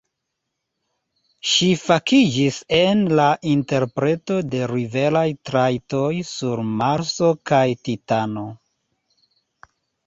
Ŝi fakiĝis en la interpreto de riveraj trajtoj sur Marso kaj Titano.